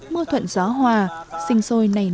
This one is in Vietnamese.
mưa thuận gió hòa sinh sôi nảy nở